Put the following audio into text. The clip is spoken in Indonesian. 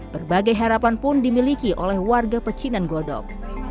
berbagai harapan pun dimiliki oleh warga pecinan glodok